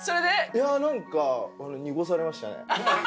いや何か濁されましたね。